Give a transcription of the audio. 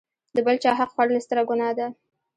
د بل چاحق خوړل ستره ګناه ده.